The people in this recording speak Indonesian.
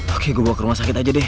oke gue bawa ke rumah sakit aja deh